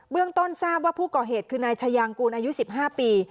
เรื่องต้นทราบว่าผู้ก่อเหตุคือนายชายางกูลอายุ๑๕ปี